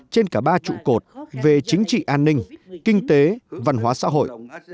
trên cả ba trụ cột về chính trị an ninh kinh tế văn hóa xã hội